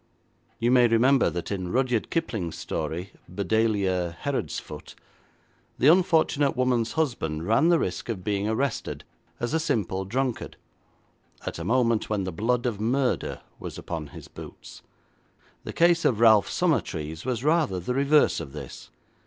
You may remember that in Rudyard Kipling's story, Bedalia Herodsfoot, the unfortunate woman's husband ran the risk of being arrested as a simple drunkard, at a moment when the blood of murder was upon his boots. The case of Ralph Summertrees was rather the reverse of this.